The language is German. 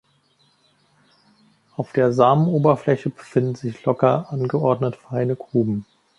Auf der Samenoberfläche befinden sich locker angeordnet feine Gruben.